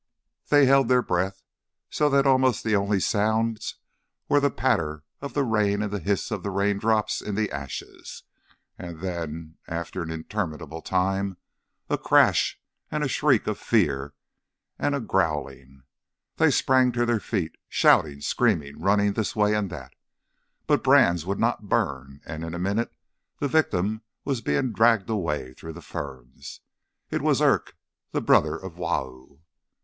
They held their breath, so that almost the only sounds were the patter of the rain and the hiss of the raindrops in the ashes. And then, after an interminable time, a crash, and a shriek of fear, and a growling. They sprang to their feet, shouting, screaming, running this way and that, but brands would not burn, and in a minute the victim was being dragged away through the ferns. It was Irk, the brother of Wau.